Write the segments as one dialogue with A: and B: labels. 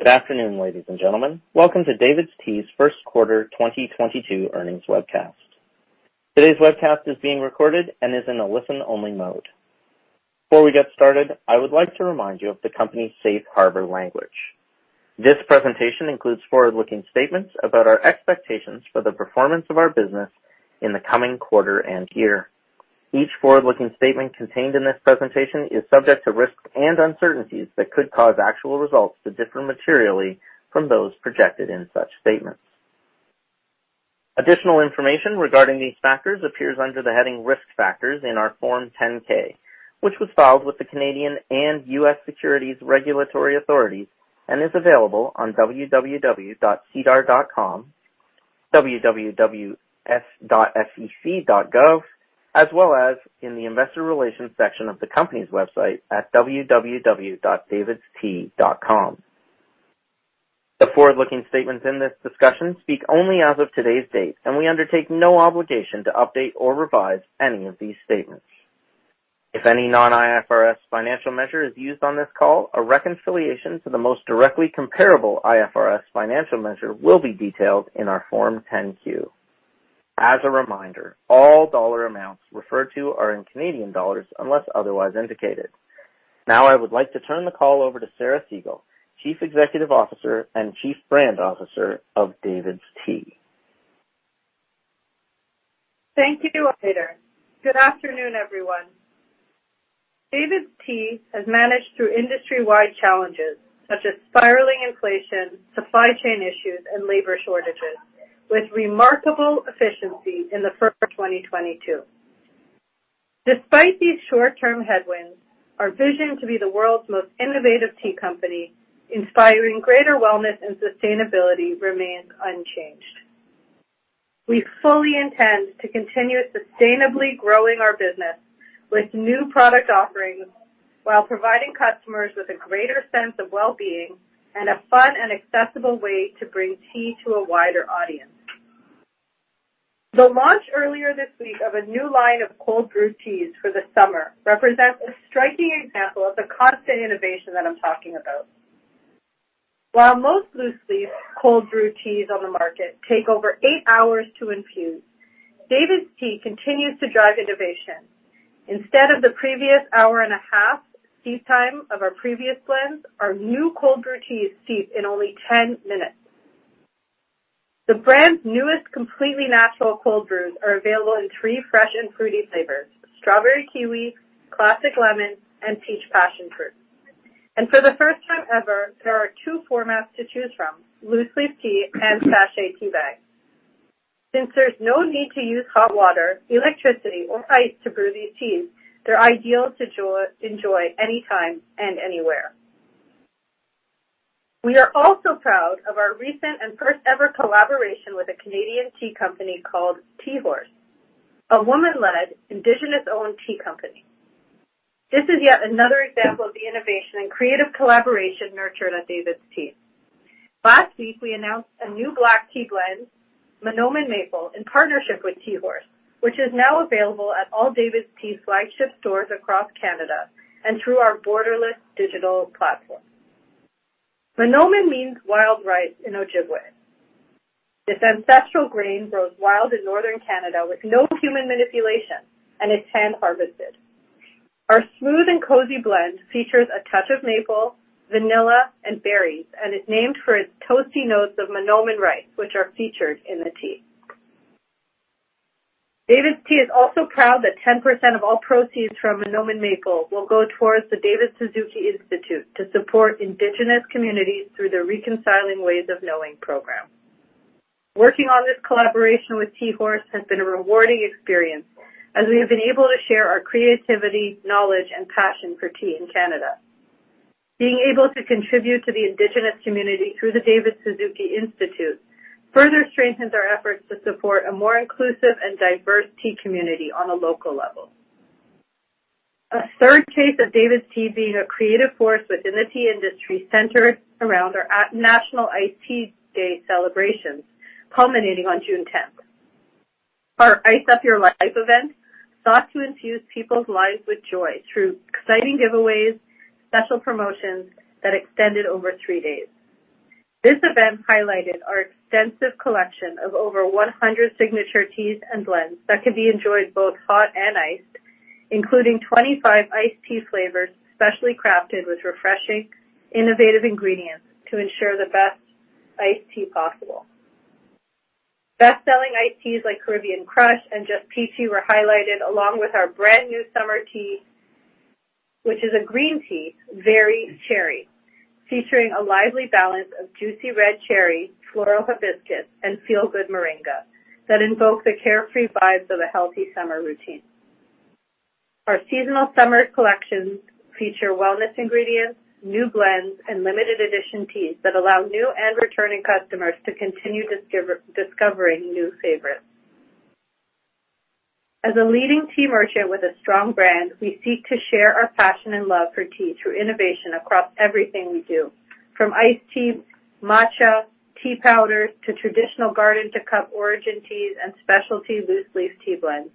A: Good afternoon, ladies and gentlemen. Welcome to DAVIDsTEA's first quarter 2022 earnings webcast. Today's webcast is being recorded and is in a listen-only mode. Before we get started, I would like to remind you of the company's safe harbor language. This presentation includes forward-looking statements about our expectations for the performance of our business in the coming quarter and year. Each forward-looking statement contained in this presentation is subject to risks and uncertainties that could cause actual results to differ materially from those projected in such statements. Additional information regarding these factors appears under the heading Risk Factors in our Form 10-K, which was filed with the Canadian and U.S. securities regulatory authorities and is available on www.sedar.com, www.sec.gov, as well as in the investor relations section of the company's website at www.davidstea.com. The forward-looking statements in this discussion speak only as of today's date, and we undertake no obligation to update or revise any of these statements. If any non-IFRS financial measure is used on this call, a reconciliation to the most directly comparable IFRS financial measure will be detailed in our Form 10-Q. As a reminder, all dollar amounts referred to are in Canadian dollars unless otherwise indicated. Now, I would like to turn the call over to Sarah Segal, Chief Executive Officer and Chief Brand Officer of DAVIDsTEA.
B: Thank you, operator. Good afternoon, everyone. DAVIDsTEA has managed through industry-wide challenges such as spiraling inflation, supply chain issues, and labor shortages with remarkable efficiency in the first quarter of 2022. Despite these short-term headwinds, our vision to be the world's most innovative tea company, inspiring greater wellness and sustainability remains unchanged. We fully intend to continue sustainably growing our business with new product offerings while providing customers with a greater sense of wellbeing and a fun and accessible way to bring tea to a wider audience. The launch earlier this week of a new line of Cold Brew Teas for the summer represents a striking example of the constant innovation that I'm talking about. While most loose leaf cold brew teas on the market take over 8 hours to infuse, DAVIDsTEA continues to drive innovation. Instead of the previous hour and a half steep time of our previous blends, our new Cold Brew Teas steep in only 10 minutes. The brand's newest completely natural cold brews are available in three fresh and fruity flavors, Strawberry Kiwi, Classic Lemon, and Peach Passionfruit. For the first time ever, there are two formats to choose from, loose leaf tea and sachet tea bags. Since there's no need to use hot water, electricity, or ice to brew these teas, they're ideal to enjoy any time and anywhere. We are also proud of our recent and first-ever collaboration with a Canadian tea company called Tea Horse, a woman-led Indigenous-owned tea company. This is yet another example of the innovation and creative collaboration nurtured at DAVIDsTEA. Last week, we announced a new black tea blend, Manoomin Maple, in partnership with Tea Horse, which is now available at all DAVIDsTEA flagship stores across Canada and through our borderless digital platform. Manoomin means wild rice in Ojibwe. This ancestral grain grows wild in northern Canada with no human manipulation and is hand-harvested. Our smooth and cozy blend features a touch of maple, vanilla, and berries, and it's named for its toasty notes of Manoomin rice, which are featured in the tea. DAVIDsTEA is also proud that 10% of all proceeds from Manoomin Maple will go towards the David Suzuki Institute to support Indigenous communities through their Reconciling Ways of Knowing program. Working on this collaboration with Tea Horse has been a rewarding experience, as we have been able to share our creativity, knowledge, and passion for tea in Canada. Being able to contribute to the Indigenous community through the David Suzuki Institute, further strengthens our efforts to support a more inclusive and diverse tea community on a local level. A third case of DAVIDsTEA being a creative force within the tea industry centers around our annual National Iced Tea Day celebrations, culminating on June 10th. Our Ice Up Your Life event sought to infuse people's lives with joy through exciting giveaways, special promotions that extended over 3 days. This event highlighted our extensive collection of over 100 signature teas and blends that can be enjoyed both hot and iced, including 25 iced tea flavors specially crafted with refreshing, innovative ingredients to ensure the best iced tea possible. Best-selling iced teas like Caribbean Crush and Just Peachy were highlighted along with our brand-new summer tea, which is a green tea, Very Cherry, featuring a lively balance of juicy red cherry, floral hibiscus, and feel-good moringa that invoke the carefree vibes of a healthy summer routine. Our seasonal summer collections feature wellness ingredients, new blends, and limited edition teas that allow new and returning customers to continue discovering new favorites. As a leading tea merchant with a strong brand, we seek to share our passion and love for tea through innovation across everything we do, from iced tea, matcha, tea powders to traditional garden-to-cup origin teas and specialty loose leaf tea blends.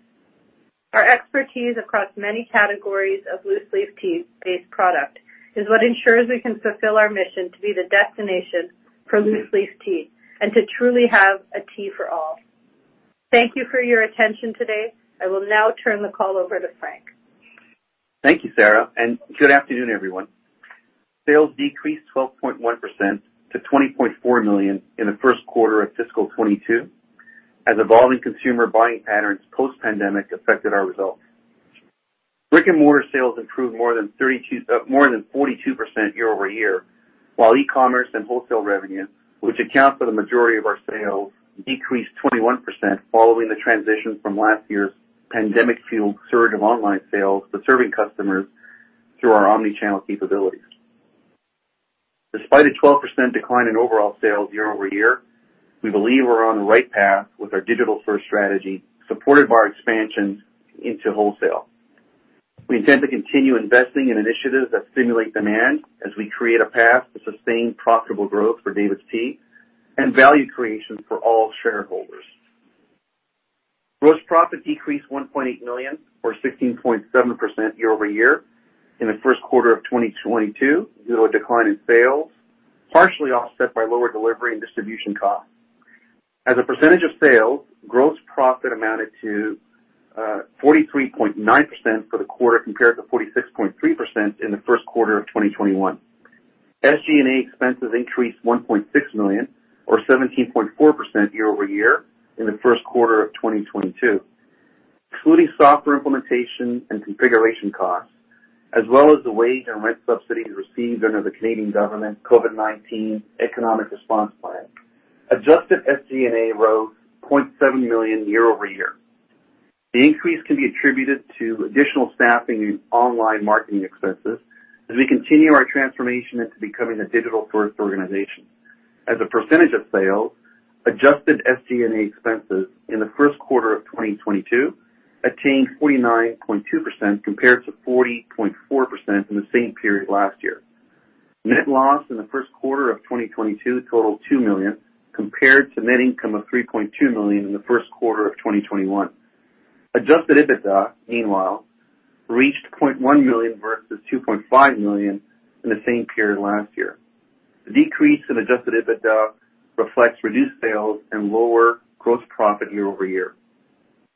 B: Our expertise across many categories of loose leaf tea-based product is what ensures we can fulfill our mission to be the destination for loose leaf tea and to truly have a tea for all. Thank you for your attention today. I will now turn the call over to Frank.
C: Thank you, Sarah, and good afternoon, everyone. Sales decreased 12.1% to 20.4 million in the first quarter of fiscal 2022 as evolving consumer buying patterns post-pandemic affected our results. Brick-and-mortar sales improved more than 42% year-over-year, while e-commerce and wholesale revenue, which account for the majority of our sales, decreased 21% following the transition from last year's pandemic-fueled surge of online sales to serving customers through our omni-channel capabilities. Despite a 12% decline in overall sales year-over-year, we believe we're on the right path with our digital-first strategy, supported by our expansions into wholesale. We intend to continue investing in initiatives that stimulate demand as we create a path to sustain profitable growth for DAVIDsTEA and value creation for all shareholders. Gross profit decreased 1.8 million or 16.7% year-over-year in the first quarter of 2022, due to a decline in sales, partially offset by lower delivery and distribution costs. As a percentage of sales, gross profit amounted to 43.9% for the quarter compared to 46.3% in the first quarter of 2021. SG&A expenses increased 1.6 million or 17.4% year-over-year in the first quarter of 2022, excluding software implementation and configuration costs, as well as the wage and rent subsidies received under the Canadian Government's COVID-19 Economic Response Plan. Adjusted SG&A rose 0.7 million year-over-year. The increase can be attributed to additional staffing and online marketing expenses as we continue our transformation into becoming a digital-first organization. As a percentage of sales, adjusted SG&A expenses in the first quarter of 2022 attained 49.2% compared to 40.4% in the same period last year. Net loss in the first quarter of 2022 totaled 2 million compared to net income of 3.2 million in the first quarter of 2021. Adjusted EBITDA, meanwhile, reached 0.1 million versus 2.5 million in the same period last year. The decrease in adjusted EBITDA reflects reduced sales and lower gross profit year-over-year.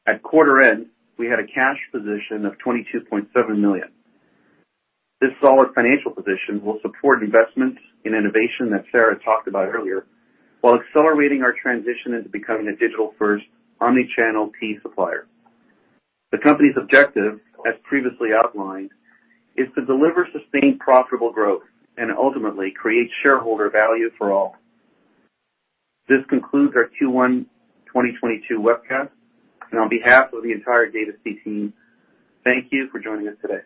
C: At quarter end, we had a cash position of 22.7 million. This solid financial position will support investments in innovation that Sarah talked about earlier while accelerating our transition into becoming a digital-first omni-channel tea supplier. The company's objective, as previously outlined, is to deliver sustained profitable growth and ultimately create shareholder value for all. This concludes our Q1 2022 webcast, and on behalf of the entire DAVIDsTEA team, thank you for joining us today.